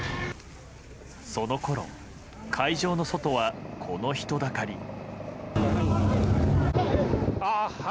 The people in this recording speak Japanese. そのころ会場の外はこの人だかり。